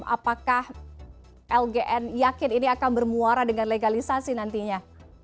apakah lgn yakin ini akan bermuara dengan legalisasi nantinya